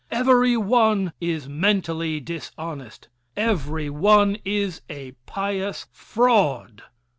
Every one is mentally dishonest. Every one is a pious fraud.